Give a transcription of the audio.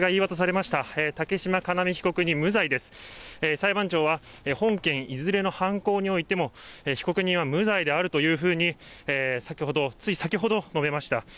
裁判長は、本件いずれの犯行においても、被告人は無罪であるというふうに先ほど、つい先ほど述べました。